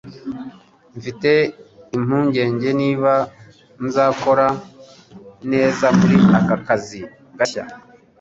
Mfite impungenge niba nzakora neza muri aka kazi gashya.